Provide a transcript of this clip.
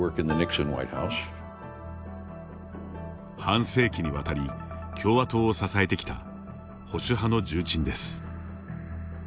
半世紀にわたり、共和党を支えてきた、保守派の重鎮です。